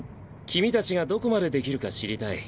君たちがどこまでできるか知りたい。